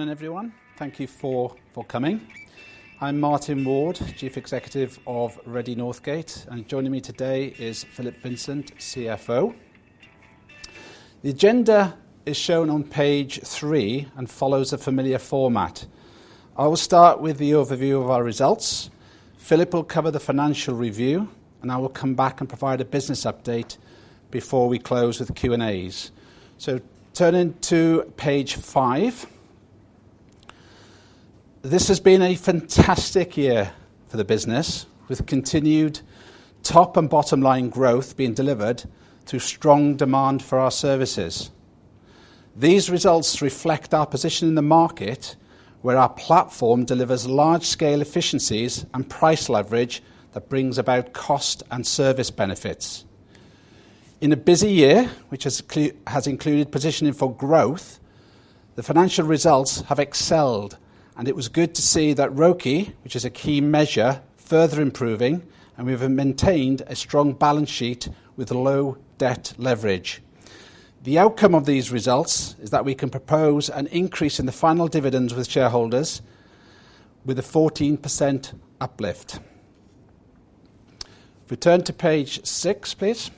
Morning, everyone. Thank you for coming. I'm Martin Ward, Chief Executive of Redde Northgate, and joining me today is Philip Vincent, CFO. The agenda is shown on page three and follows a familiar format. I will start with the overview of our results, Philip will cover the financial review, and I will come back and provide a business update before we close with Q&As. Turning to page five. This has been a fantastic year for the business, with continued top and bottom line growth being delivered through strong demand for our services. These results reflect our position in the market, where our platform delivers large-scale efficiencies and price leverage that brings about cost and service benefits. In a busy year, which has included positioning for growth, the financial results have excelled. It was good to see that ROCE, which is a key measure, further improving. We have maintained a strong balance sheet with low debt leverage. The outcome of these results is that we can propose an increase in the final dividends with shareholders with a 14% uplift. If we turn to page six, please.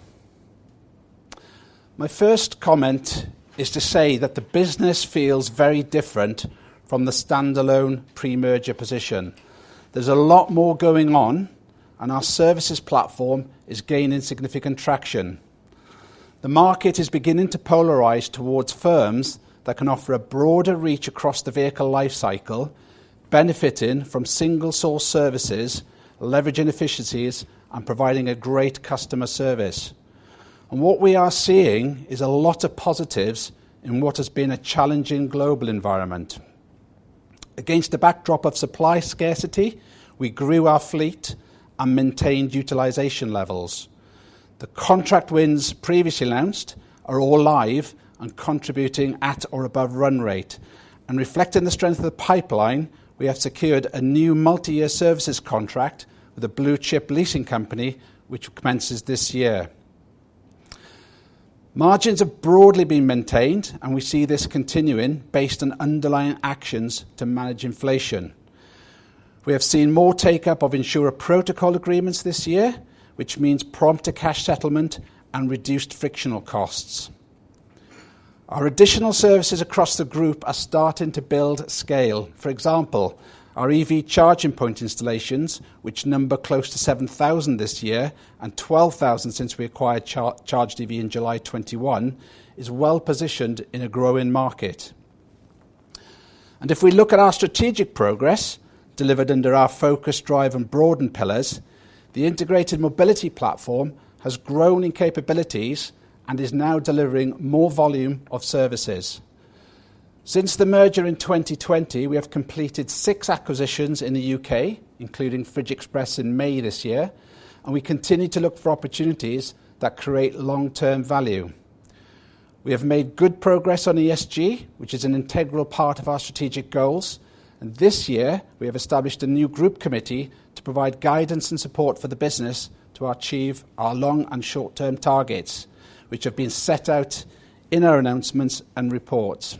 My first comment is to say that the business feels very different from the standalone pre-merger position. There's a lot more going on. Our services platform is gaining significant traction. The market is beginning to polarize towards firms that can offer a broader reach across the vehicle life cycle, benefiting from single-source services, leveraging efficiencies, and providing a great customer service. What we are seeing is a lot of positives in what has been a challenging global environment. Against a backdrop of supply scarcity, we grew our fleet and maintained utilization levels. The contract wins previously announced are all live and contributing at or above run rate. Reflecting the strength of the pipeline, we have secured a new multi-year services contract with a blue chip leasing company, which commences this year. Margins have broadly been maintained, and we see this continuing based on underlying actions to manage inflation. We have seen more take up of insurer protocol agreements this year, which means prompt to cash settlement and reduced frictional costs. Our additional services across the group are starting to build scale. For example, our EV charging point installations, which number close to 7,000 this year and 12,000 since we acquired ChargedEV in July 2021, is well positioned in a growing market. If we look at our strategic progress delivered under our focus, drive, and broaden pillars, the integrated mobility platform has grown in capabilities and is now delivering more volume of services. Since the merger in 2020, we have completed six acquisitions in the U.K., including FridgeXpress in May this year. We continue to look for opportunities that create long-term value. We have made good progress on ESG, which is an integral part of our strategic goals. This year we have established a new group committee to provide guidance and support for the business to achieve our long- and short-term targets, which have been set out in our announcements and reports.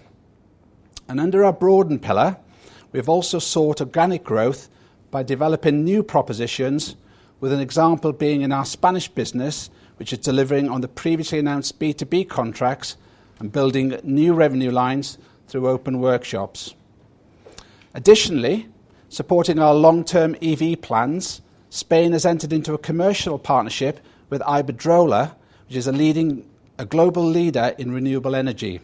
Under our broaden pillar, we've also sought organic growth by developing new propositions, with an example being in our Spanish business, which is delivering on the previously announced B2B contracts and building new revenue lines through open workshops. Additionally, supporting our long-term EV plans, Spain has entered into a commercial partnership with Iberdrola, which is a global leader in renewable energy,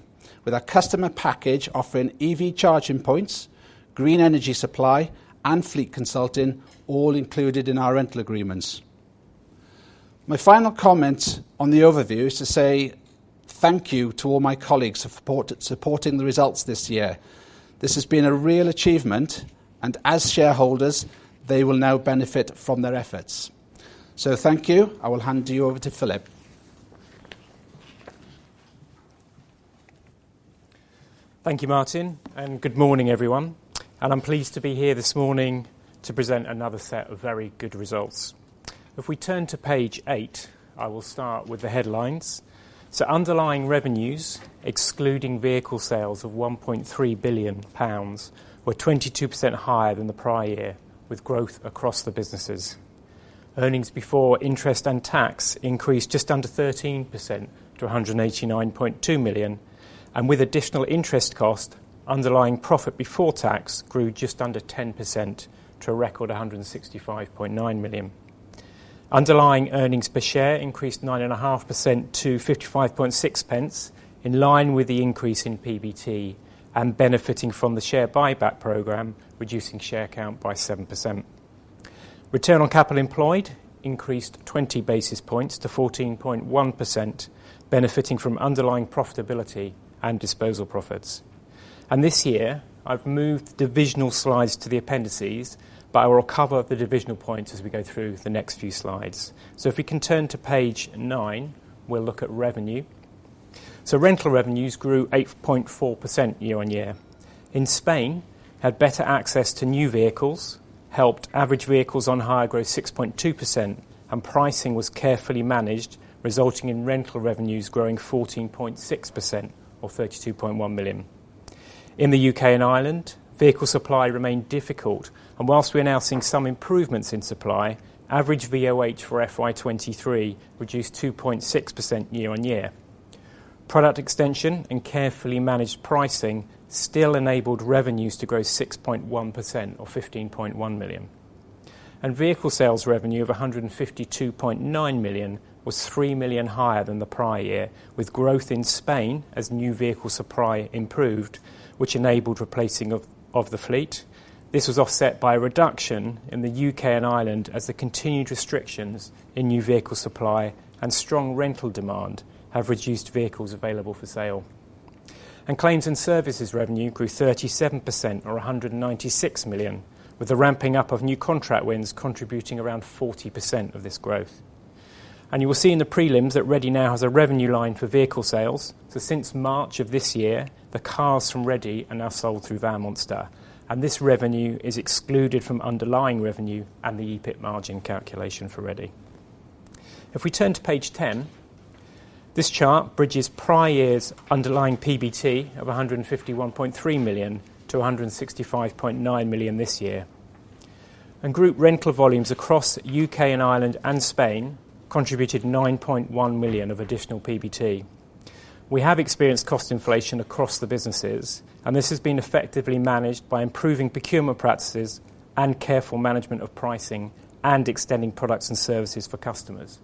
with our customer package offering EV charging points, green energy supply, and fleet consulting, all included in our rental agreements. My final comment on the overview is to say thank you to all my colleagues for supporting the results this year. This has been a real achievement, as shareholders, they will now benefit from their efforts. Thank you. I will hand you over to Philip. Thank you, Martin, good morning, everyone. I'm pleased to be here this morning to present another set of very good results. If we turn to page eight, I will start with the headlines. Underlying revenues, excluding vehicle sales of 1.3 billion pounds, were 22% higher than the prior year, with growth across the businesses. EBIT increased just under 13% to 189.2 million, with additional interest cost, underlying PBT grew just under 10% to a record 165.9 million. Underlying earnings per share increased 9.5% to 0.556, in line with the increase in PBT and benefiting from the share buyback program, reducing share count by 7%. Return on capital employed increased 20 basis points to 14.1%, benefiting from underlying profitability and disposal profits. This year, I've moved divisional slides to the appendices. I will cover the divisional points as we go through the next few slides. If we can turn to page nine, we'll look at revenue. Rental revenues grew 8.4% year-over-year. In Spain, had better access to new vehicles, helped average vehicles on hire grow 6.2%. Pricing was carefully managed, resulting in rental revenues growing 14.6%, or 32.1 million. In the UK and Ireland, vehicle supply remained difficult. Whilst we are now seeing some improvements in supply, average VOH for FY23 reduced 2.6% year-over-year. Product extension and carefully managed pricing still enabled revenues to grow 6.1%, or 15.1 million. Vehicle sales revenue of 152.9 million was 3 million higher than the prior year, with growth in Spain as new vehicle supply improved, which enabled replacing of the fleet. This was offset by a reduction in the U.K. and Ireland, as the continued restrictions in new vehicle supply and strong rental demand have reduced vehicles available for sale. Claims and services revenue grew 37%, or 196 million, with the ramping up of new contract wins contributing around 40% of this growth. You will see in the prelims that Redde now has a revenue line for vehicle sales. Since March of this year, the cars from Redde are now sold through Van Monster, and this revenue is excluded from underlying revenue and the EBIT margin calculation for Redde. If we turn to page 10, this chart bridges prior years' underlying PBT of 151.3 million to 165.9 million this year. Group rental volumes across U.K. and Ireland and Spain contributed 9.1 million of additional PBT. We have experienced cost inflation across the businesses, and this has been effectively managed by improving procurement practices and careful management of pricing, and extending products and services for customers.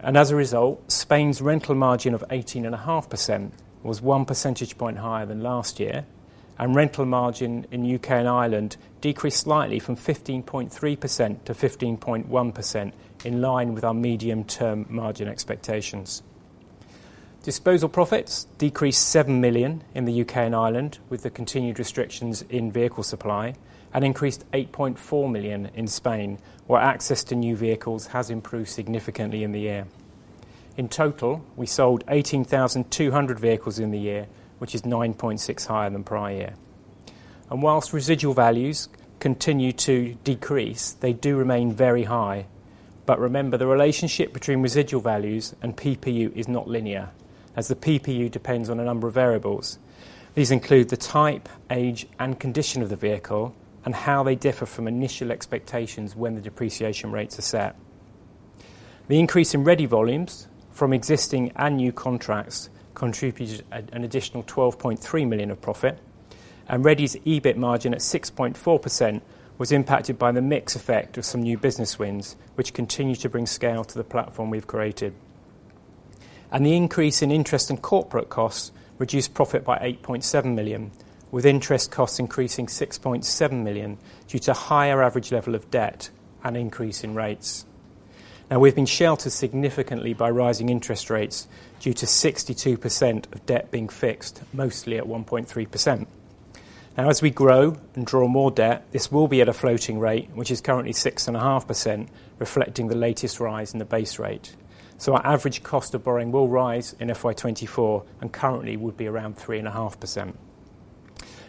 As a result, Spain's rental margin of 18.5% was 1 percentage point higher than last year, rental margin in the U.K. and Ireland decreased slightly from 15.3%-15.1%, in line with our medium-term margin expectations. Disposal profits decreased 7 million in the U.K. and Ireland, with the continued restrictions in vehicle supply, and increased 8.4 million in Spain, where access to new vehicles has improved significantly in the year. In total, we sold 18,200 vehicles in the year, which is 9.6% higher than prior year. Whilst residual values continue to decrease, they do remain very high. Remember, the relationship between residual values and PPU is not linear, as the PPU depends on a number of variables. These include the type, age, and condition of the vehicle, and how they differ from initial expectations when the depreciation rates are set. The increase in Redde volumes from existing and new contracts contributed an additional 12.3 million of profit, and Redde's EBIT margin at 6.4% was impacted by the mix effect of some new business wins, which continue to bring scale to the platform we've created. The increase in interest and corporate costs reduced profit by 8.7 million, with interest costs increasing 6.7 million due to higher average level of debt and increase in rates. Now, we've been sheltered significantly by rising interest rates due to 62% of debt being fixed, mostly at 1.3%. As we grow and draw more debt, this will be at a floating rate, which is currently 6.5%, reflecting the latest rise in the base rate. Our average cost of borrowing will rise in FY24, and currently will be around 3.5%.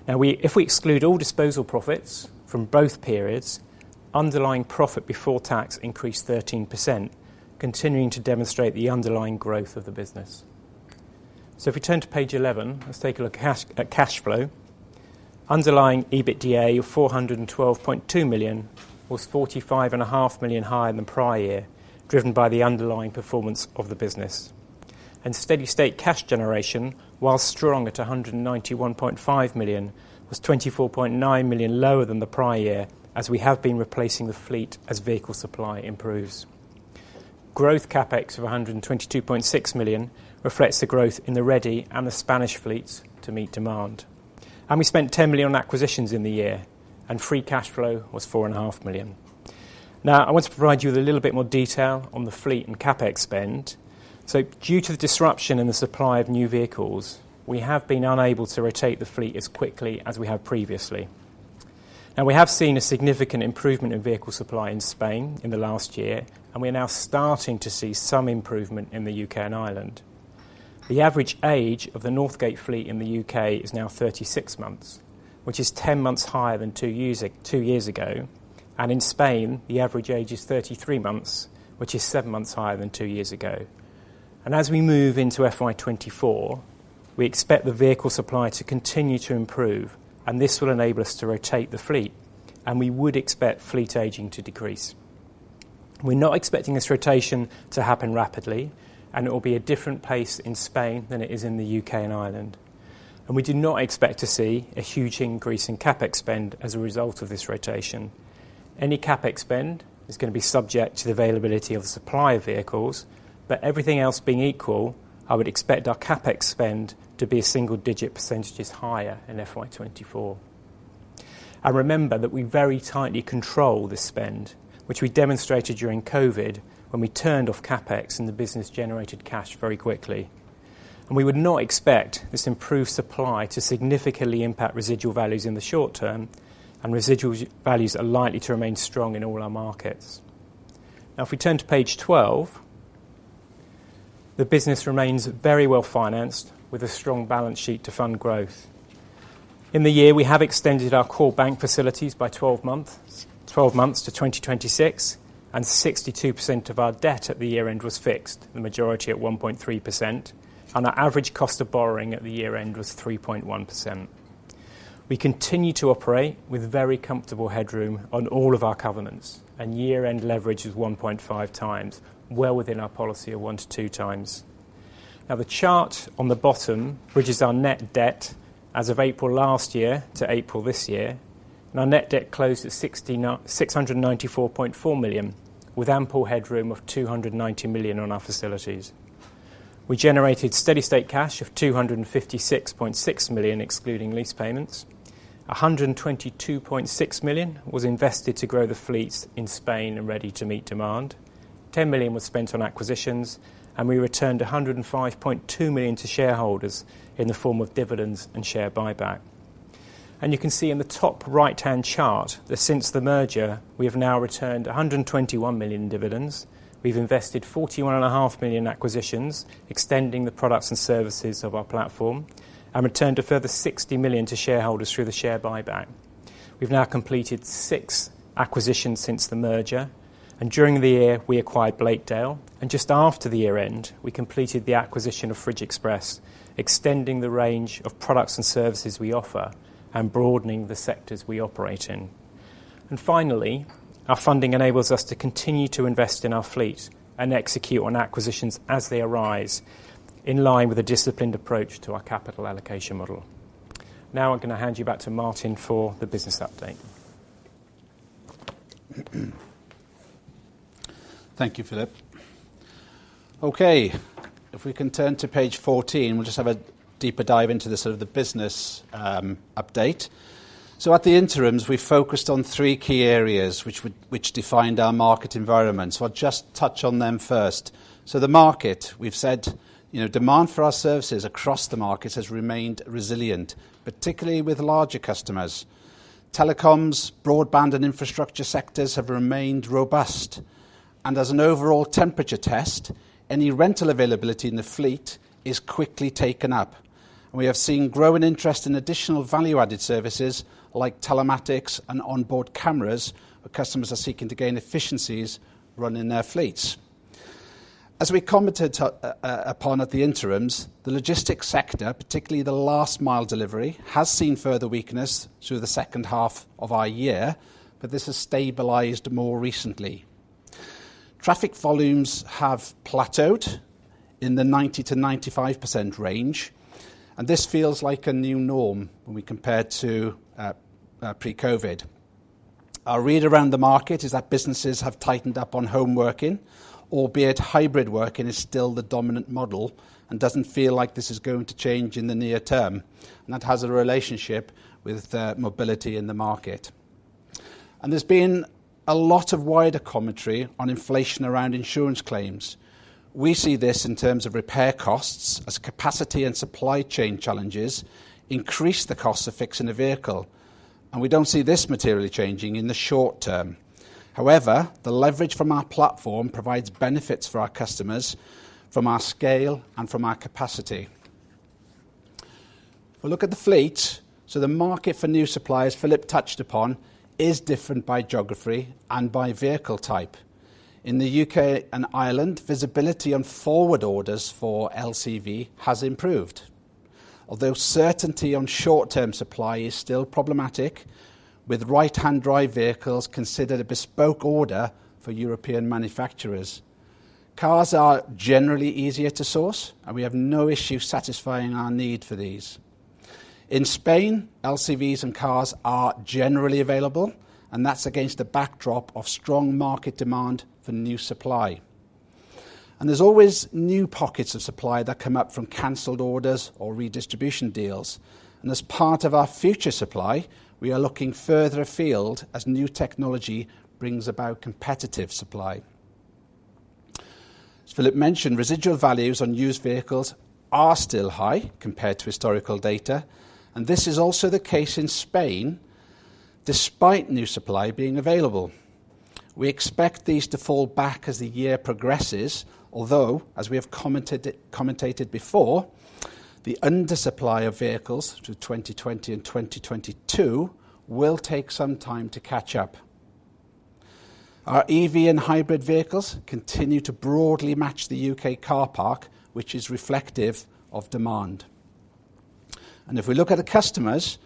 If we exclude all disposal profits from both periods, underlying profit before tax increased 13%, continuing to demonstrate the underlying growth of the business. If we turn to page 11, let's take a look at cash flow. Underlying EBITDA of 412.2 million was 45.5 million higher than the prior year, driven by the underlying performance of the business. Steady state cash generation, while strong at 191.5 million, was 24.9 million lower than the prior year, as we have been replacing the fleet as vehicle supply improves. Growth CapEx of 122.6 million reflects the growth in the Redde and the Spanish fleets to meet demand. We spent 10 million on acquisitions in the year, and free cash flow was 4.5 million. I want to provide you with a little bit more detail on the fleet and CapEx spend. Due to the disruption in the supply of new vehicles, we have been unable to rotate the fleet as quickly as we have previously. We have seen a significant improvement in vehicle supply in Spain in the last year, and we are now starting to see some improvement in the UK and Ireland. The average age of the Northgate fleet in the UK is now 36 months, which is 10 months higher than two years ago. In Spain, the average age is 33 months, which is seven months higher than two years ago. As we move into FY24, we expect the vehicle supply to continue to improve. This will enable us to rotate the fleet, and we would expect fleet aging to decrease. We're not expecting this rotation to happen rapidly, and it will be a different pace in Spain than it is in the UK and Ireland. We do not expect to see a huge increase in CapEx spend as a result of this rotation. Any CapEx spend is gonna be subject to the availability of the supply of vehicles, but everything else being equal, I would expect our CapEx spend to be a single-digit % higher in FY24. Remember that we very tightly control the spend, which we demonstrated during COVID, when we turned off CapEx and the business generated cash very quickly. We would not expect this improved supply to significantly impact residual values in the short term, and residual values are likely to remain strong in all our markets. If we turn to page 12. The business remains very well-financed, with a strong balance sheet to fund growth. In the year, we have extended our core bank facilities by 12 months, to 2026, and 62% of our debt at the year-end was fixed, the majority at 1.3%, and our average cost of borrowing at the year-end was 3.1%. We continue to operate with very comfortable headroom on all of our covenants, and year-end leverage is 1.5x, well within our policy of 1-2x. The chart on the bottom, which is our net debt as of April last year to April this year, and our net debt closed at 694.4 million, with ample headroom of 290 million on our facilities. We generated steady state cash of 256.6 million, excluding lease payments. 122.6 million was invested to grow the fleets in Spain and Redde to meet demand. 10 million was spent on acquisitions. We returned 105.2 million to shareholders in the form of dividends and share buyback. You can see in the top right-hand chart that since the merger, we have now returned 121 million in dividends. We've invested 41.5 million in acquisitions, extending the products and services of our platform, and returned a further 60 million to shareholders through the share buyback. We've now completed 6 acquisitions since the merger. During the year we acquired Blakedale, and just after the year end, we completed the acquisition of FridgeXpress, extending the range of products and services we offer and broadening the sectors we operate in. Finally, our funding enables us to continue to invest in our fleet and execute on acquisitions as they arise, in line with a disciplined approach to our capital allocation model. I'm going to hand you back to Martin for the business update. Thank you, Philip. If we can turn to page 14, we'll just have a deeper dive into the sort of the business update. At the interims, we focused on three key areas, which defined our market environment. I'll just touch on them first. The market, we've said, you know, demand for our services across the market has remained resilient, particularly with larger customers. Telecoms, broadband, and infrastructure sectors have remained robust. As an overall temperature test, any rental availability in the fleet is quickly taken up. We have seen growing interest in additional value-added services like telematics and onboard cameras, where customers are seeking to gain efficiencies running their fleets. As we commented upon at the interims, the logistics sector, particularly the last mile delivery, has seen further weakness through the second half of our year, but this has stabilized more recently. Traffic volumes have plateaued in the 90%-95% range, and this feels like a new norm when we compare to pre-COVID. Our read around the market is that businesses have tightened up on home working, albeit hybrid working is still the dominant model and doesn't feel like this is going to change in the near term, and that has a relationship with mobility in the market. There's been a lot of wider commentary on inflation around insurance claims. We see this in terms of repair costs as capacity and supply chain challenges increase the costs of fixing a vehicle, and we don't see this materially changing in the short term. However, the leverage from our platform provides benefits for our customers, from our scale and from our capacity. If we look at the fleet, the market for new suppliers, Philip touched upon, is different by geography and by vehicle type. In the UK and Ireland, visibility on forward orders for LCV has improved. Although certainty on short-term supply is still problematic, with right-hand drive vehicles considered a bespoke order for European manufacturers. Cars are generally easier to source, and we have no issue satisfying our need for these. In Spain, LCVs and cars are generally available, that's against the backdrop of strong market demand for new supply. There's always new pockets of supply that come up from canceled orders or redistribution deals, and as part of our future supply, we are looking further afield as new technology brings about competitive supply. As Philip mentioned, residual values on used vehicles are still high compared to historical data, and this is also the case in Spain, despite new supply being available. We expect these to fall back as the year progresses, although, as we have commentated before, the undersupply of vehicles to 2020 and 2022 will take some time to catch up. Our EV and hybrid vehicles continue to broadly match the U.K. car park, which is reflective of demand. If we look at the customers,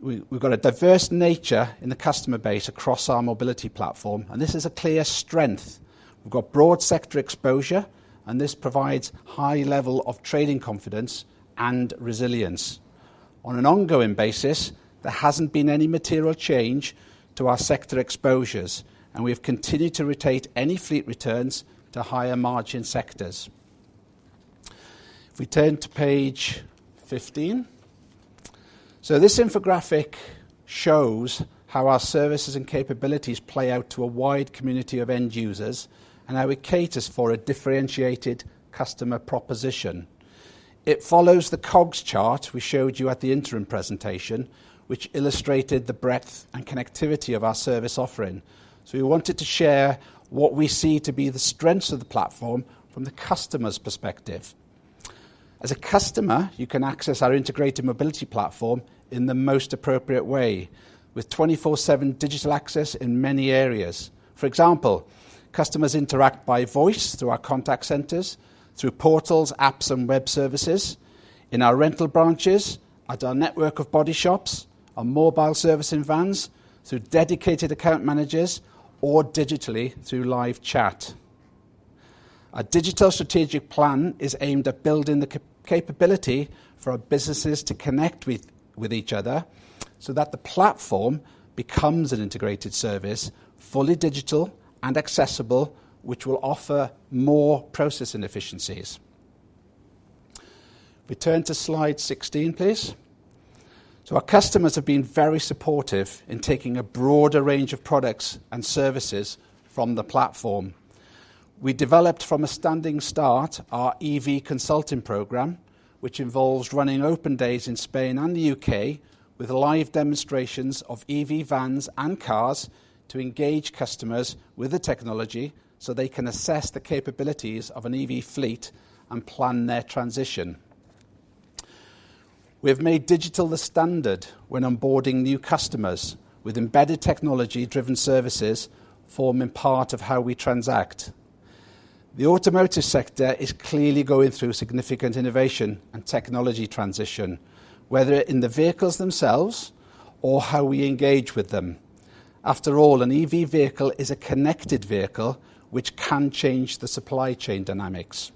we've got a diverse nature in the customer base across our mobility platform, and this is a clear strength. We've got broad sector exposure, and this provides high level of trading confidence and resilience. On an ongoing basis, there hasn't been any material change to our sector exposures, and we have continued to rotate any fleet returns to higher margin sectors. If we turn to page 15. This infographic shows how our services and capabilities play out to a wide community of end users and how it caters for a differentiated customer proposition. It follows the cogs chart we showed you at the interim presentation, which illustrated the breadth and connectivity of our service offering. We wanted to share what we see to be the strengths of the platform from the customer's perspective. As a customer, you can access our integrated mobility platform in the most appropriate way, with 24/7 digital access in many areas. For example, customers interact by voice through our contact centers, through portals, apps and web services, in our rental branches, at our network of body shops, our mobile servicing vans, through dedicated account managers, or digitally through live chat. Our digital strategic plan is aimed at building the capability for our businesses to connect with each other, so that the platform becomes an integrated service, fully digital and accessible, which will offer more process and efficiencies. We turn to slide 16, please. Our customers have been very supportive in taking a broader range of products and services from the platform. We developed from a standing start, our EV consulting program, which involves running open days in Spain and the UK, with live demonstrations of EV vans and cars to engage customers with the technology so they can assess the capabilities of an EV fleet and plan their transition. We have made digital the standard when onboarding new customers, with embedded technology-driven services forming part of how we transact. The automotive sector is clearly going through significant innovation and technology transition, whether in the vehicles themselves or how we engage with them. After all, an EV vehicle is a connected vehicle, which can change the supply chain dynamics.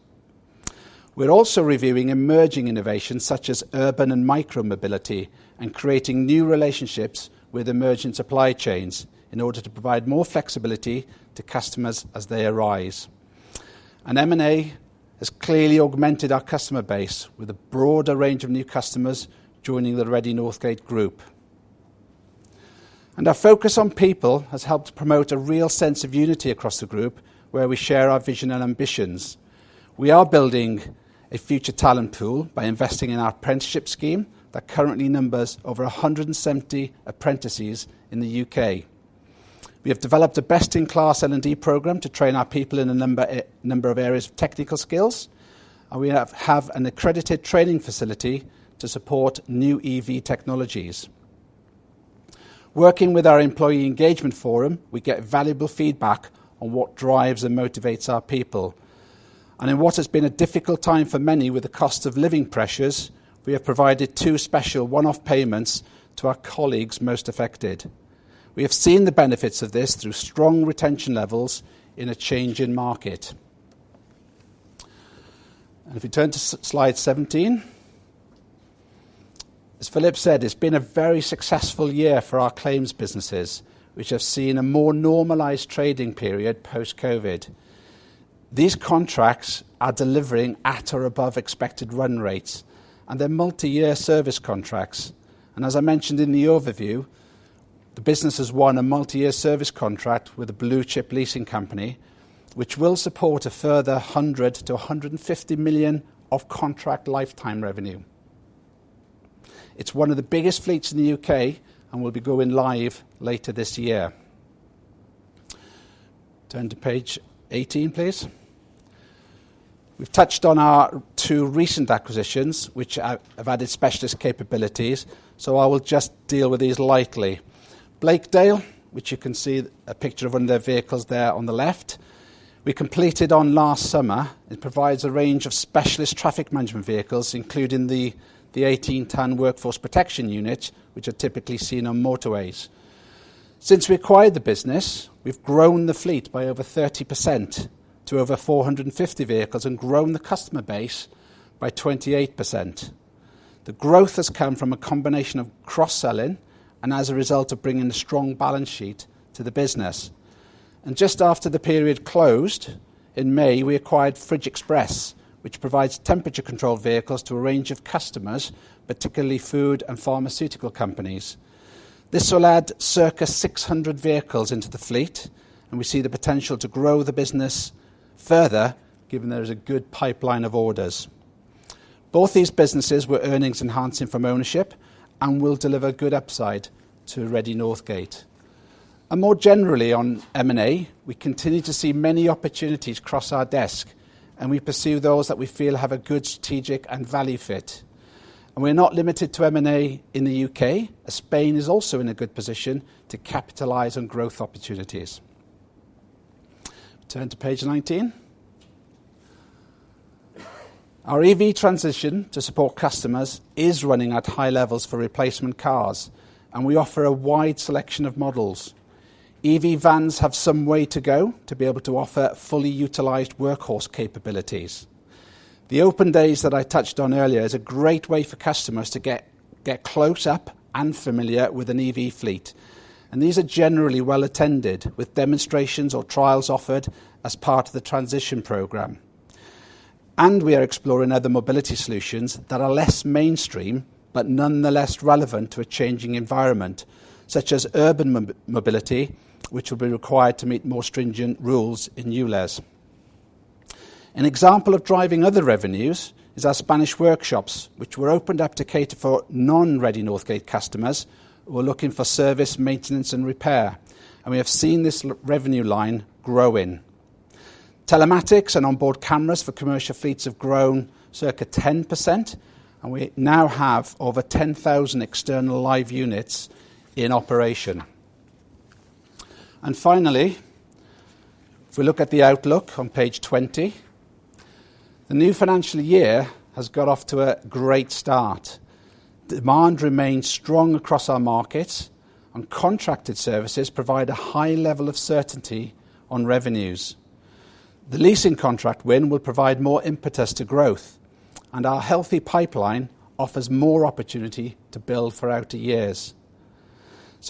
We're also reviewing emerging innovations such as urban and micro mobility, creating new relationships with emerging supply chains in order to provide more flexibility to customers as they arise. M&A has clearly augmented our customer base with a broader range of new customers joining the Redde Northgate Group. Our focus on people has helped promote a real sense of unity across the group, where we share our vision and ambitions. We are building a future talent pool by investing in our apprenticeship scheme that currently numbers over 170 apprentices in the U.K. We have developed a best-in-class L&D program to train our people in a number of areas of technical skills, and we have an accredited training facility to support new EV technologies. Working with our employee engagement forum, we get valuable feedback on what drives and motivates our people. In what has been a difficult time for many with the cost of living pressures, we have provided two special one-off payments to our colleagues most affected. We have seen the benefits of this through strong retention levels in a changing market. If we turn to slide 17. As Philip said, it's been a very successful year for our claims businesses, which have seen a more normalized trading period post-COVID. These contracts are delivering at or above expected run rates, and they're multi-year service contracts. As I mentioned in the overview, the business has won a multi-year service contract with a blue chip leasing company, which will support a further 100 million-150 million of contract lifetime revenue. It's one of the biggest fleets in the U.K., and will be going live later this year. Turn to page 18, please. We've touched on our two recent acquisitions, which have added specialist capabilities, so I will just deal with these lightly. Blakedale, which you can see a picture of one of their vehicles there on the left, we completed on last summer. It provides a range of specialist traffic management vehicles, including the 18-ton Workforce Protection Unit, which are typically seen on motorways. Since we acquired the business, we've grown the fleet by over 30% to over 450 vehicles and grown the customer base by 28%. The growth has come from a combination of cross-selling and as a result of bringing a strong balance sheet to the business. Just after the period closed, in May, we acquired FridgeXpress, which provides temperature-controlled vehicles to a range of customers, particularly food and pharmaceutical companies. This will add circa 600 vehicles into the fleet, we see the potential to grow the business further, given there is a good pipeline of orders. Both these businesses were earnings enhancing from ownership and will deliver good upside to Redde Northgate. More generally on M&A, we continue to see many opportunities cross our desk, we pursue those that we feel have a good strategic and value fit. We're not limited to M&A in the UK, as Spain is also in a good position to capitalize on growth opportunities. Turn to page 19. Our EV transition to support customers is running at high levels for replacement cars, and we offer a wide selection of models. EV vans have some way to go to be able to offer fully utilized workhorse capabilities. The open days that I touched on earlier is a great way for customers to get close up and familiar with an EV fleet, and these are generally well attended with demonstrations or trials offered as part of the transition program. We are exploring other mobility solutions that are less mainstream, but nonetheless relevant to a changing environment, such as urban mobility, which will be required to meet more stringent rules in [new laws]. An example of driving other revenues is our Spanish workshops, which were opened up to cater for non-Redde Northgate customers who are looking for service, maintenance, and repair, and we have seen this revenue line growing. Telematics and onboard cameras for commercial fleets have grown circa 10%, and we now have over 10,000 external live units in operation. Finally, if we look at the outlook on page 20, the new financial year has got off to a great start. Demand remains strong across our markets, and contracted services provide a high level of certainty on revenues. The leasing contract win will provide more impetus to growth, and our healthy pipeline offers more opportunity to build throughout the years.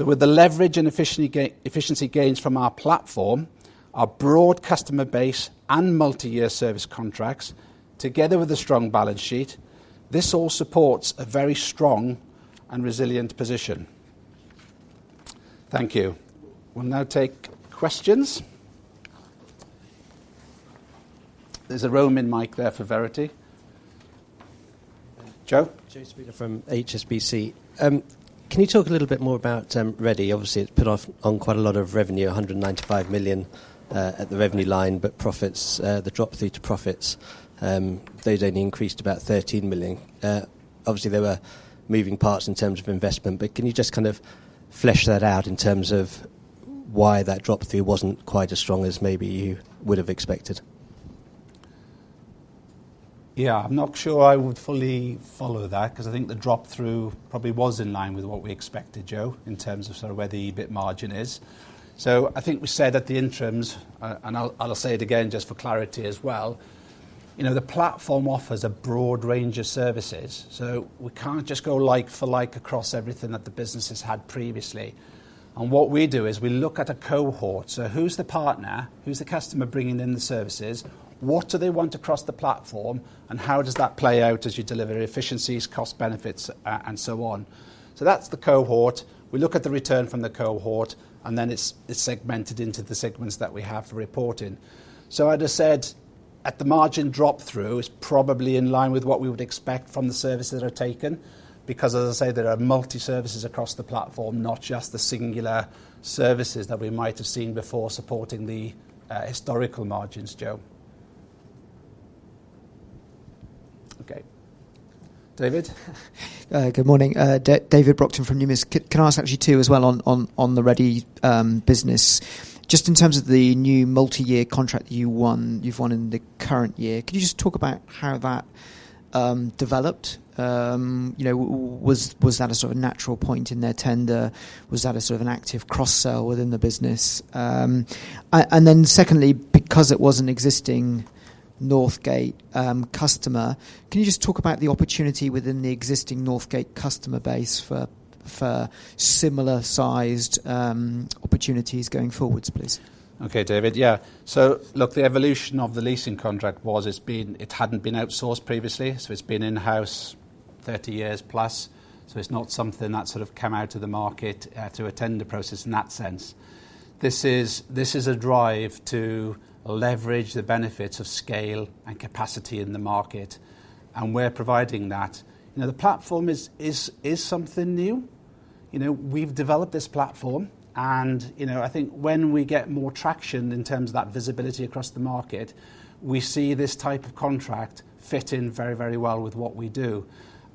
With the leverage and efficiency gains from our platform, our broad customer base and multi-year service contracts, together with a strong balance sheet, this all supports a very strong and resilient position. Thank you. We'll now take questions. There's a roaming mic there for Verity. Joe? Joe Spooner from HSBC. Can you talk a little bit more about Redde? Obviously, it's put off on quite a lot of revenue, 195 million at the revenue line, but profits, the drop through to profits, those only increased about 13 million. Obviously, there were moving parts in terms of investment, but can you just kind of flesh that out in terms of why that drop through wasn't quite as strong as maybe you would have expected? Yeah, I'm not sure I would fully follow that, because I think the drop through probably was in line with what we expected, Joe, in terms of sort of where the EBIT margin is. I think we said at the interims, and I'll say it again just for clarity as well, you know, the platform offers a broad range of services, so we can't just go, like, for, like, across everything that the businesses had previously. What we do is we look at a cohort. Who's the partner? Who's the customer bringing in the services? What do they want across the platform? How does that play out as you deliver efficiencies, cost, benefits, and so on? That's the cohort. We look at the return from the cohort, and then it's segmented into the segments that we have for reporting. As I said, at the margin drop-through, it's probably in line with what we would expect from the services that are taken because, as I say, there are multi-services across the platform, not just the singular services that we might have seen before supporting the historical margins, Joe. Okay. David? Good morning, David Brockton from Numis. Can I ask actually you too as well on the Redde business? Just in terms of the new multi-year contract you won, you've won in the current year, could you just talk about how that developed? You know, was that a sort of natural point in their tender? Was that a sort of an active cross-sell within the business? Then secondly, because it was an existing Northgate customer, can you just talk about the opportunity within the existing Northgate customer base for similar-sized opportunities going forwards, please? Okay, David. Yeah. Look, the evolution of the leasing contract. It hadn't been outsourced previously, so it's been in-house 30 years plus, so it's not something that sort of come out to the market through a tender process in that sense. This is a drive to leverage the benefits of scale and capacity in the market, and we're providing that. You know, the platform is something new. You know, we've developed this platform, and, you know, I think when we get more traction in terms of that visibility across the market, we see this type of contract fit in very, very well with what we do.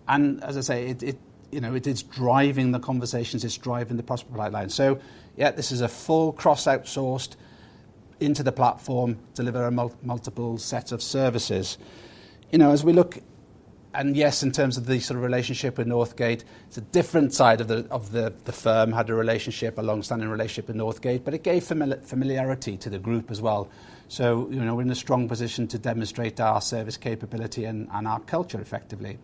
As I say, it, you know, it is driving the conversations, it's driving the possible pipeline. Yeah, this is a full cross outsourced into the platform, deliver a multiple set of services. You know, as we look... Yes, in terms of the sort of relationship with Northgate, it's a different side of the, of the firm had a relationship, a long-standing relationship with Northgate, but it gave familiarity to the group as well. You know, we're in a strong position to demonstrate our service capability and our culture effectively.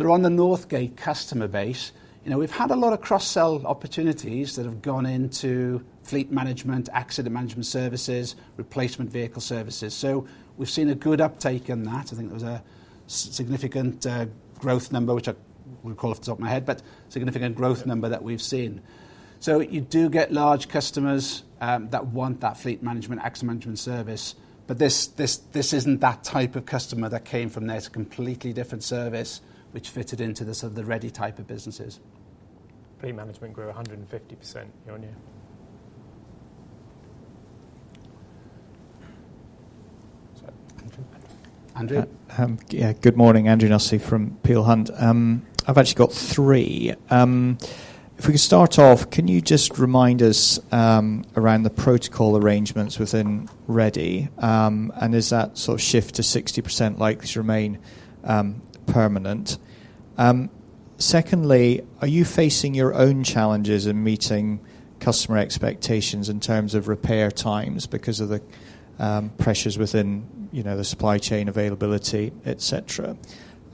On the Northgate customer base, you know, we've had a lot of cross-sell opportunities that have gone into fleet management, accident management services, replacement vehicle services. We've seen a good uptake in that. I think there was a significant growth number, which I would recall off the top of my head, but significant growth number that we've seen. You do get large customers that want that fleet management, accident management service, but this isn't that type of customer that came from there. It's a completely different service which fitted into the sort of the Redde type of businesses. Fleet management grew 150% year-on-year. Sorry, Andrew. Andrew? Good morning, Andrew Nussey from Peel Hunt. I've actually got three. If we could start off, can you just remind us around the protocol arrangements within Redde? Is that sort of shift to 60% likely to remain permanent? Secondly, are you facing your own challenges in meeting customer expectations in terms of repair times because of the pressures within, you know, the supply chain availability, et cetera?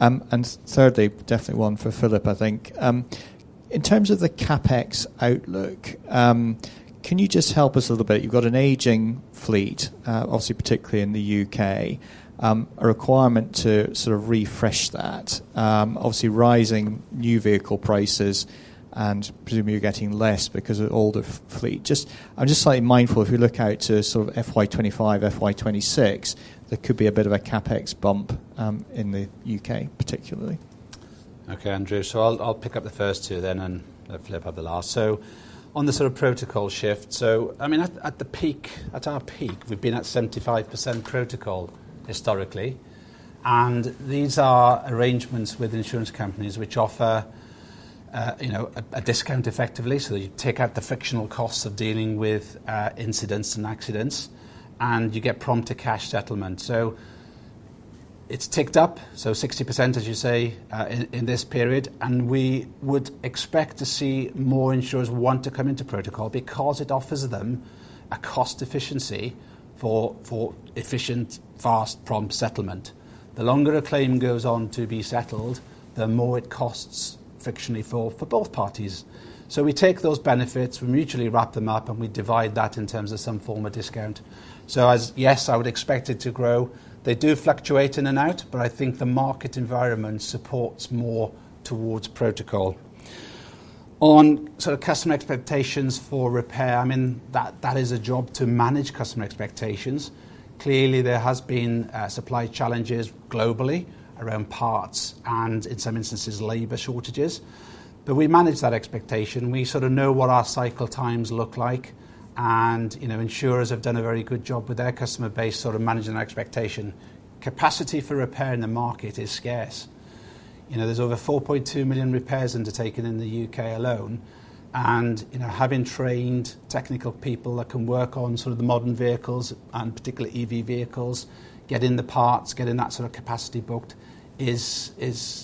Thirdly, definitely one for Philip, I think, In terms of the CapEx outlook, can you just help us a little bit? You've got an aging fleet, obviously, particularly in the U.K., a requirement to sort of refresh that. Obviously, rising new vehicle prices, and presumably you're getting less because of older fleet. Just, I'm just slightly mindful, if you look out to sort of FY25, FY26, there could be a bit of a CapEx bump in the U.K., particularly. Okay, Andrew, I'll pick up the first two then, and hopefully I'll have the last. On the sort of protocol shift, I mean, at the peak, we've been at 75% protocol historically, and these are arrangements with insurance companies, which offer, you know, a discount effectively, so that you take out the frictional costs of dealing with incidents and accidents, and you get prompted cash settlement. It's ticked up, 60%, as you say, in this period, and we would expect to see more insurers want to come into protocol because it offers them a cost efficiency for efficient, fast, prompt settlement. The longer a claim goes on to be settled, the more it costs frictionally for both parties. We take those benefits, we mutually wrap them up, and we divide that in terms of some form of discount. Yes, I would expect it to grow. They do fluctuate in and out, but I think the market environment supports more towards protocol. On sort of customer expectations for repair, I mean, that is a job to manage customer expectations. Clearly, there has been supply challenges globally around parts and, in some instances, labor shortages. We manage that expectation. We sort of know what our cycle times look like, and, you know, insurers have done a very good job with their customer base, sort of managing expectation. Capacity for repair in the market is scarce. You know, there's over 4.2 million repairs undertaken in the U.K. alone. You know, having trained technical people that can work on sort of the modern vehicles, and particularly EV vehicles, getting the parts, getting that sort of capacity booked is,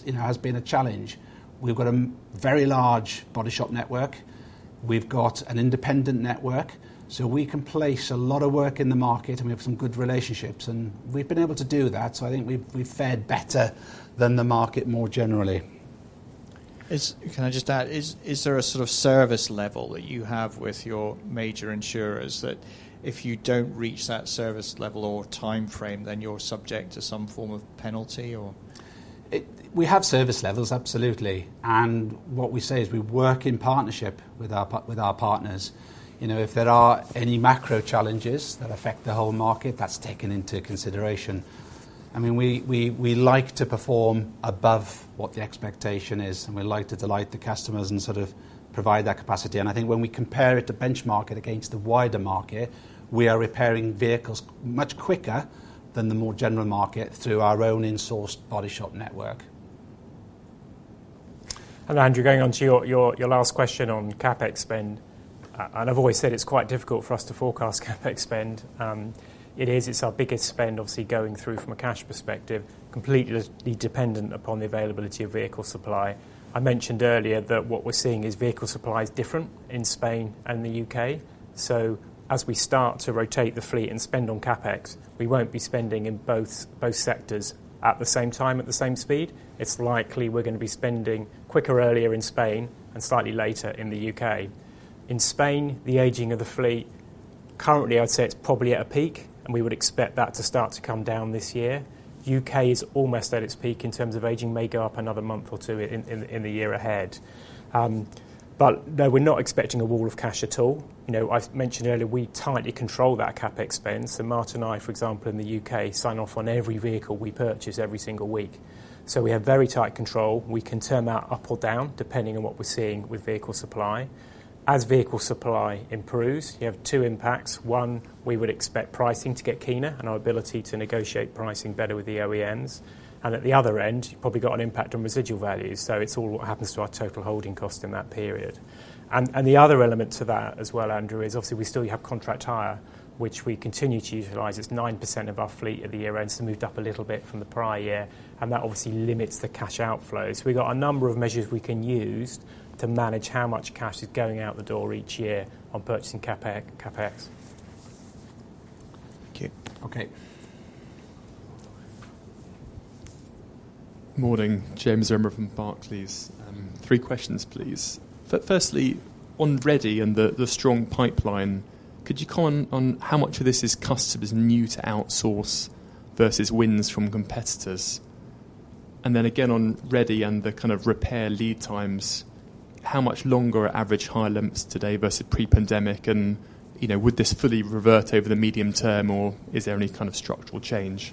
you know, has been a challenge. We've got a very large body shop network. We've got an independent network. We can place a lot of work in the market. We have some good relationships. We've been able to do that. I think we've fared better than the market more generally. Can I just add, is there a sort of service level that you have with your major insurers, that if you don't reach that service level or timeframe, then you're subject to some form of penalty, or? We have service levels, absolutely. What we say is we work in partnership with our partners. You know, if there are any macro challenges that affect the whole market, that's taken into consideration. I mean, we like to perform above what the expectation is, and we like to delight the customers and sort of provide that capacity. I think when we compare it to benchmark it against the wider market, we are repairing vehicles much quicker than the more general market through our own in-sourced body shop network. Andrew, going on to your last question on CapEx spend, I've always said it's quite difficult for us to forecast CapEx spend. It is. It's our biggest spend, obviously, going through from a cash perspective, completely dependent upon the availability of vehicle supply. I mentioned earlier that what we're seeing is vehicle supply is different in Spain and the UK. As we start to rotate the fleet and spend on CapEx, we won't be spending in both sectors at the same time, at the same speed. It's likely we're going to be spending quicker, earlier in Spain and slightly later in the UK. In Spain, the aging of the fleet, currently, I'd say it's probably at a peak, and we would expect that to start to come down this year. U.K. is almost at its peak in terms of aging, may go up another month or two in the year ahead. No, we're not expecting a wall of cash at all. You know, I've mentioned earlier, we tightly control that CapEx spend, so Martin and I, for example, in the U.K., sign off on every vehicle we purchase every single week. We have very tight control. We can turn that up or down, depending on what we're seeing with vehicle supply. As vehicle supply improves, you have two impacts. One, we would expect pricing to get keener and our ability to negotiate pricing better with the OEMs. At the other end, you've probably got an impact on residual values, so it's all what happens to our total holding cost in that period. The other element to that as well, Andrew, is obviously we still have contract hire, which we continue to utilize. It's 9% of our fleet at the year-end, so moved up a little bit from the prior year, and that obviously limits the cash outflow. So we've got a number of measures we can use to manage how much cash is going out the door each year on purchasing CapEx. Thank you. Okay. Morning. James Zaremba from Barclays. Three questions, please. Firstly, on Redde and the strong pipeline, could you comment on how much of this is customers new to outsource versus wins from competitors? Again, on Redde and the kind of repair lead times, how much longer are average hire limits today versus pre-pandemic, and, you know, would this fully revert over the medium term, or is there any kind of structural change?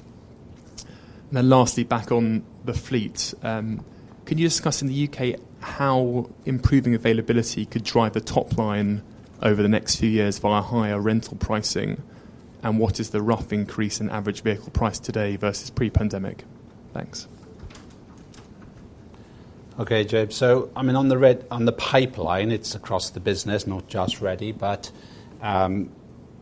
Lastly, back on the fleet, could you discuss in the U.K. how improving availability could drive the top line over the next few years via higher rental pricing, and what is the rough increase in average vehicle price today versus pre-pandemic? Thanks. Okay, James. I mean, on the Redde, on the pipeline, it's across the business, not just Redde, but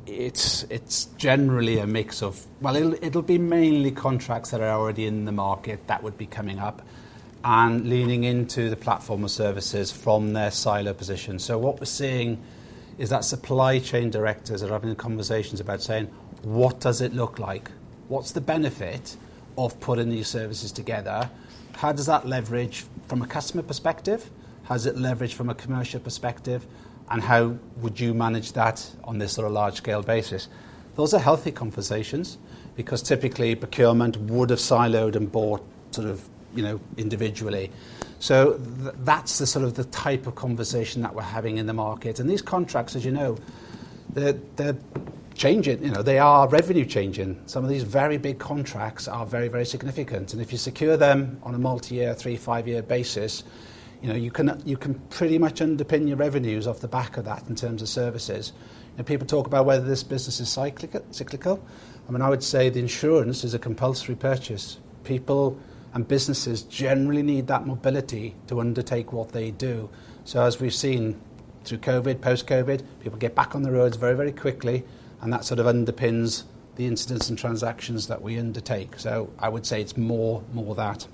it's generally a mix of. Well, it'll be mainly contracts that are already in the market that would be coming up and leaning into the platform of services from their silo position. What we're seeing is that supply chain directors are having conversations about saying: What does it look like? What's the benefit of putting these services together? How does that leverage from a customer perspective? How does it leverage from a commercial perspective, and how would you manage that on this sort of large-scale basis? Those are healthy conversations, because typically, procurement would have siloed and bought sort of, you know, individually. That's the sort of the type of conversation that we're having in the market, and these contracts, as you know, they're changing. You know, they are revenue changing. Some of these very big contracts are very, very significant, and if you secure them on a multi-year, 3, 5-year basis, you know, you can, you can pretty much underpin your revenues off the back of that in terms of services. People talk about whether this business is cyclical. I mean, I would say the insurance is a compulsory purchase. People and businesses generally need that mobility to undertake what they do. As we've seen through COVID, post-COVID, people get back on the roads very, very quickly, and that sort of underpins the incidents and transactions that we undertake, so I would say it's more that.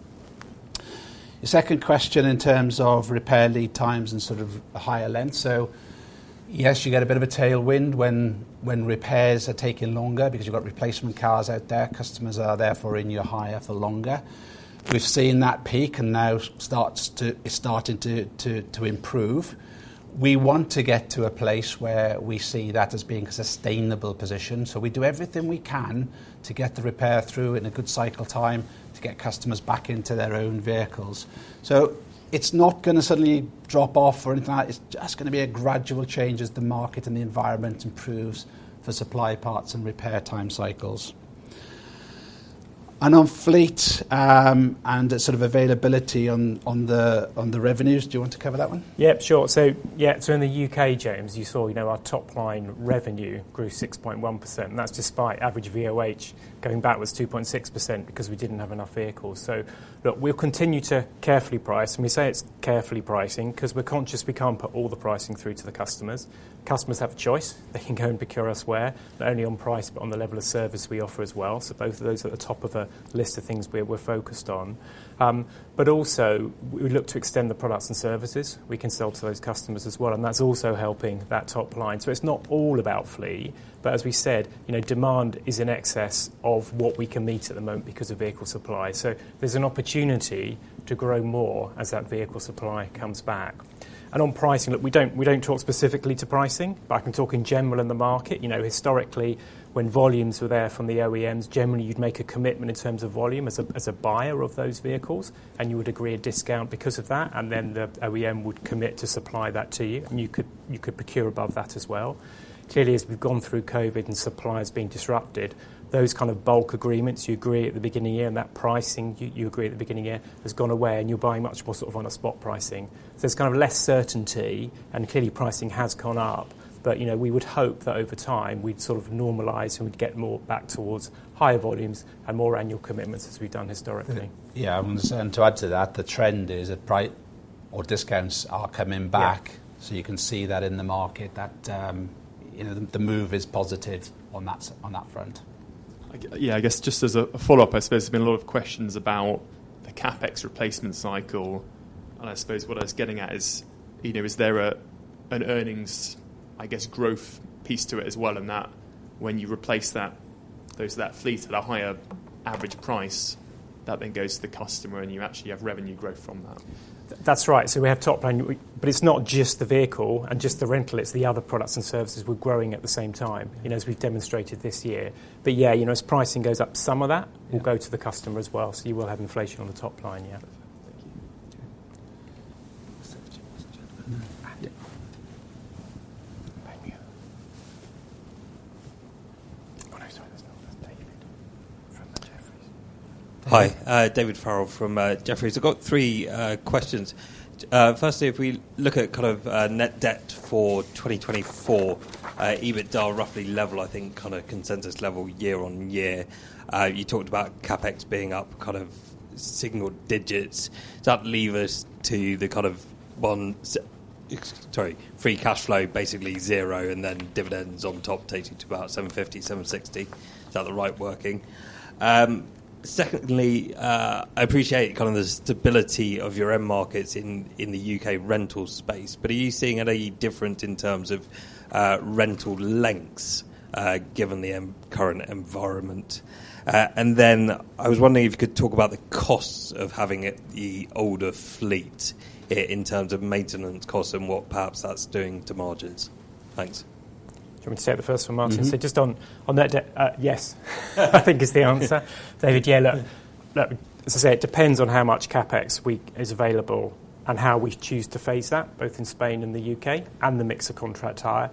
Your second question, in terms of repair lead times and sort of the higher length. Yes, you get a bit of a tailwind when repairs are taking longer because you've got replacement cars out there. Customers are therefore in your hire for longer. We've seen that peak and now it's starting to improve. We want to get to a place where we see that as being a sustainable position. We do everything we can to get the repair through in a good cycle time to get customers back into their own vehicles. It's not gonna suddenly drop off or anything like that. It's just gonna be a gradual change as the market and the environment improves for supply parts and repair time cycles. On fleet, and the sort of availability on the, on the revenues, do you want to cover that one? Yep, sure. Yeah, so in the UK, James, you saw, you know, our top line revenue grew 6.1%, and that's despite average VOH going backwards 2.6% because we didn't have enough vehicles. Look, we'll continue to carefully price, and we say it's carefully pricing because we're conscious we can't put all the pricing through to the customers. Customers have a choice. They can go and procure elsewhere, not only on price, but on the level of service we offer as well. Both of those are at the top of a list of things we're focused on. Also, we look to extend the products and services we can sell to those customers as well. That's also helping that top line. It's not all about fleet, but as we said, you know, demand is in excess of what we can meet at the moment because of vehicle supply. There's an opportunity to grow more as that vehicle supply comes back. On pricing, look, we don't talk specifically to pricing, but I can talk in general in the market. You know, historically, when volumes were there from the OEMs, generally, you'd make a commitment in terms of volume as a buyer of those vehicles, and you would agree a discount because of that, and then the OEM would commit to supply that to you, and you could procure above that as well. Clearly, as we've gone through COVID and supply has been disrupted, those kind of bulk agreements you agree at the beginning of the year, and that pricing you agree at the beginning of the year, has gone away, and you're buying much more sort of on a spot pricing. There's kind of less certainty, and clearly, pricing has gone up. You know, we would hope that over time, we'd sort of normalize and we'd get more back towards higher volumes and more annual commitments as we've done historically. Yeah, to add to that, the trend is that price or discounts are coming back... Yeah. You can see that in the market, that, you know, the move is positive on that, on that front. yeah, I guess just as a follow-up, I suppose there's been a lot of questions about the CapEx replacement cycle, and I suppose what I was getting at is, you know, is there a, an earnings, I guess, growth piece to it as well in that when you replace that, those, that fleet at a higher average price, that then goes to the customer, and you actually have revenue growth from that? That's right. We have top line. It's not just the vehicle and just the rental, it's the other products and services we're growing at the same time, you know, as we've demonstrated this year. Yeah, you know, as pricing goes up, some of that. Mm-hmm. will go to the customer as well, so you will have inflation on the top line, yeah. Thank you. Hi, David Farrell from Jefferies. I've got three questions. Firstly, if we look at kind of, net debt for 2024, EBITDA roughly level, I think, kind of consensus level year-on-year. You talked about CapEx being up kind of single digits. Does that leave us to the kind of one, free cashflow basically 0, and then dividends on top taking to about 750, 760? Is that the right working? Secondly, I appreciate kind of the stability of your end markets in the U.K. rental space, but are you seeing any different in terms of, rental lengths, given the current environment? I was wondering if you could talk about the costs of having the older fleet in terms of maintenance costs and what perhaps that's doing to margins. Thanks. Do you want me to take the first one, Martin? Mm-hmm. Just on that, yes, I think is the answer. David, look, as I say, it depends on how much CapEx we, is available and how we choose to phase that, both in Spain and the UK, and the mix of contract hire.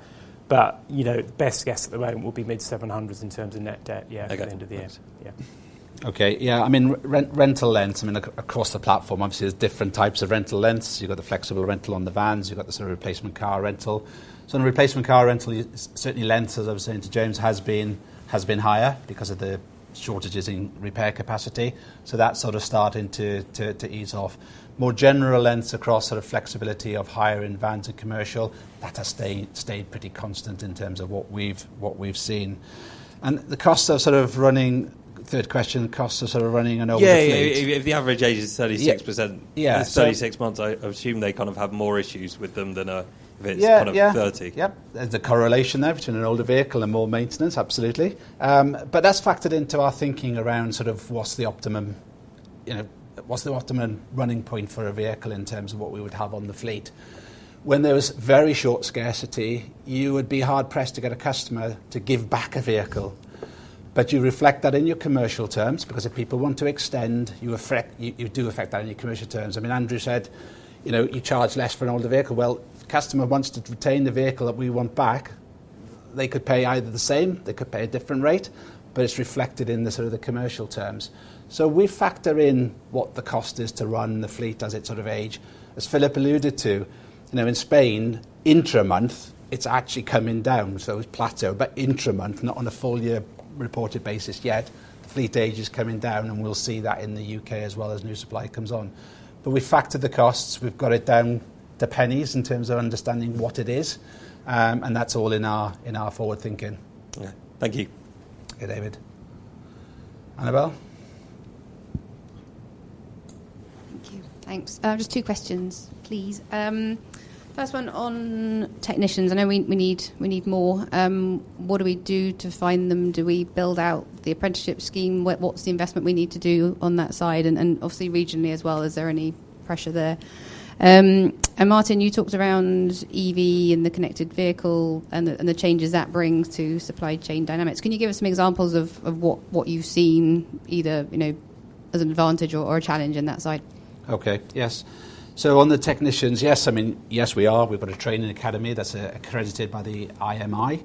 You know, best guess at the moment will be mid-seven hundreds in terms of net debt. Okay at the end of the year. Yeah. Okay, yeah, I mean, rental lengths, I mean, across the platform, obviously, there's different types of rental lengths. You've got the flexible rental on the vans, you've got the sort of replacement car rental. On the replacement car rental, certainly lengths, as I was saying to James, has been higher because of the shortages in repair capacity, so that's sort of starting to ease off. More general lengths across sort of flexibility of hire and vans and commercial, that has stayed pretty constant in terms of what we've seen. Third question, the costs are sort of running an older fleet. Yeah. If the average age is 36%. Yeah. or 36 months, I assume they kind of have more issues with them than. Yeah, yeah. if it's kind of 30. Yep. There's a correlation there between an older vehicle and more maintenance, absolutely. That's factored into our thinking around sort of what's the optimum running point for a vehicle in terms of what we would have on the fleet? When there was very short scarcity, you would be hard-pressed to get a customer to give back a vehicle. You reflect that in your commercial terms, because if people want to extend, you do affect that in your commercial terms. I mean, Andrew said, you know, you charge less for an older vehicle. Well, if the customer wants to retain the vehicle that we want back, they could pay either the same, they could pay a different rate, but it's reflected in the sort of the commercial terms. We factor in what the cost is to run the fleet as it sort of age. As Philip alluded to, you know, in Spain, intra-month, it's actually coming down, so it's plateau. Intra-month, not on a full year reported basis yet, the fleet age is coming down, and we'll see that in the UK as well, as new supply comes on. We factored the costs. We've got it down to pennies in terms of understanding what it is, and that's all in our, in our forward thinking. Yeah. Thank you. Okay, David. Annabelle? Thank you. Thanks. Just two questions, please. First one on technicians, I know we need more. What do we do to find them? Do we build out the apprenticeship scheme? What's the investment we need to do on that side? Obviously regionally as well, is there any pressure there? Martin, you talked around EV and the connected vehicle and the changes that brings to supply chain dynamics. Can you give us some examples of what you've seen, either, you know, as an advantage or a challenge in that side? Okay, yes. On the technicians, yes, I mean, yes, we are. We've got a training academy that's accredited by the IMI,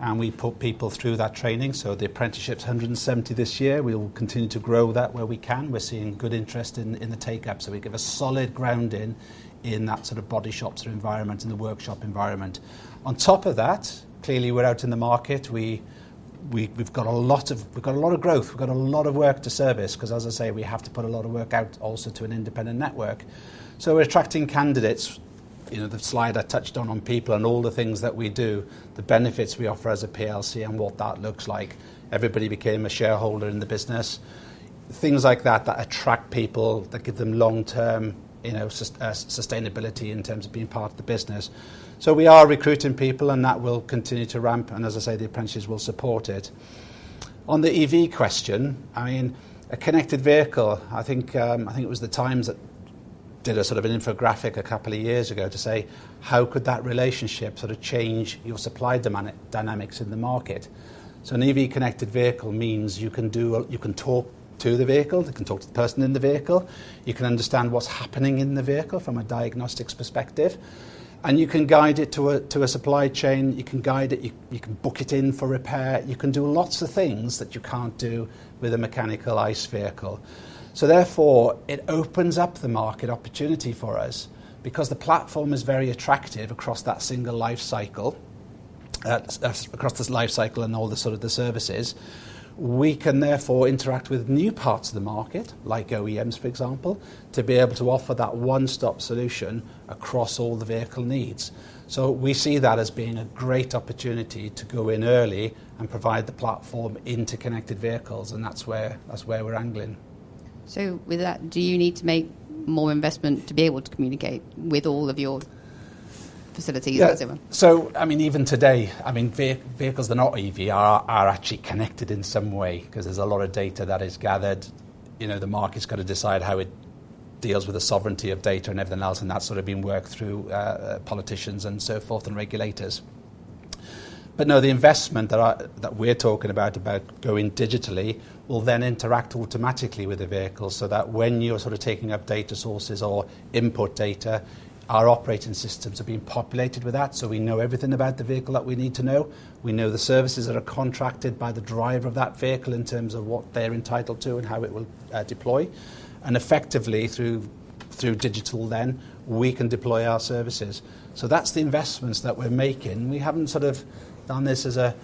and we put people through that training. The apprenticeships, 170 this year, we'll continue to grow that where we can. We're seeing good interest in the take-up. We give a solid grounding in that sort of body shop sort of environment, in the workshop environment. On top of that, clearly, we're out in the market. We've got a lot of growth. We've got a lot of work to service, 'cause as I say, we have to put a lot of work out also to an independent network. We're attracting candidates. You know, the slide I touched on people and all the things that we do, the benefits we offer as a PLC and what that looks like. Everybody became a shareholder in the business. Things like that attract people, that give them long-term, you know, sustainability in terms of being part of the business. We are recruiting people, and that will continue to ramp, and as I say, the apprentices will support it. On the EV question, I mean, a connected vehicle, I think, I think it was The Times that did a sort of an infographic a couple of years ago to say how could that relationship sort of change your supply dynamics in the market? An EV connected vehicle means you can do a... You can talk to the vehicle, you can talk to the person in the vehicle, you can understand what's happening in the vehicle from a diagnostics perspective, and you can guide it to a supply chain. You can guide it, you can book it in for repair. You can do lots of things that you can't do with a mechanical ICE vehicle. Therefore, it opens up the market opportunity for us because the platform is very attractive across that single life cycle, across this life cycle and all the sort of the services. We can therefore interact with new parts of the market, like OEMs, for example, to be able to offer that one-stop solution across all the vehicle needs. we see that as being a great opportunity to go in early and provide the platform into connected vehicles, and that's where we're angling. With that, do you need to make more investment to be able to communicate with all of your facilities? I mean, even today, I mean, vehicles that are not EV are actually connected in some way, 'cause there's a lot of data that is gathered. You know, the market's got to decide how it deals with the sovereignty of data and everything else, and that's sort of been worked through politicians and so forth, and regulators. No, the investment that we're talking about going digitally, will then interact automatically with the vehicle so that when you're sort of taking up data sources or input data, our operating systems are being populated with that, so we know everything about the vehicle that we need to know. We know the services that are contracted by the driver of that vehicle in terms of what they're entitled to and how it will deploy. Effectively, through digital then, we can deploy our services. That's the investments that we're making. We haven't sort of done this as a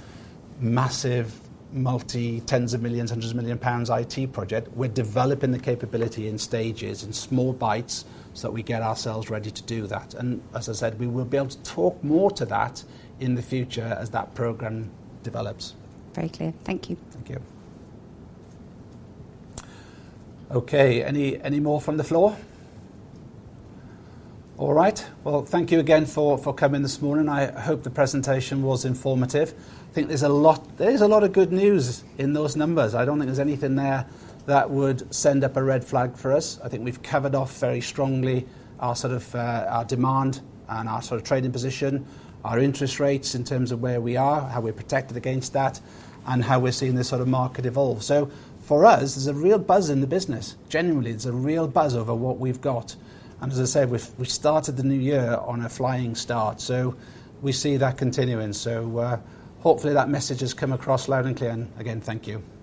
massive, multi tens of millions, hundreds of million GBP IT project. We're developing the capability in stages, in small bites, so that we get ourselves ready to do that. As I said, we will be able to talk more to that in the future as that program develops. Very clear. Thank you. Thank you. Okay, any more from the floor? All right. Thank you again for coming this morning. I hope the presentation was informative. I think there's a lot, there is a lot of good news in those numbers. I don't think there's anything there that would send up a red flag for us. I think we've covered off very strongly our sort of, our demand and our sort of trading position, our interest rates in terms of where we are, how we're protected against that, and how we're seeing this sort of market evolve. For us, there's a real buzz in the business. Genuinely, there's a real buzz over what we've got. As I said, we've started the new year on a flying start, we see that continuing. Hopefully that message has come across loud and clear. Again, thank you. Thank you.